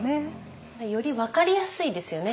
より分かりやすいですよね。